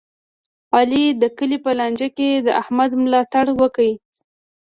علي د کلي په لانجه کې د احمد ملا تړ وکړ.